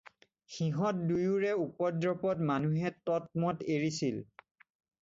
সিহঁত দুয়োৰো উপদ্ৰৱত মানুহে ততমত এৰিছিল।